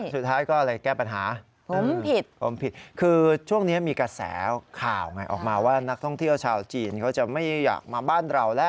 สุดท้ายก็เลยแก้ปัญหาผมผิดผมผิดคือช่วงนี้มีกระแสข่าวไงออกมาว่านักท่องเที่ยวชาวจีนเขาจะไม่อยากมาบ้านเราแล้ว